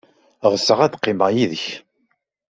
Ɣseɣ ad qqimeɣ yid-k.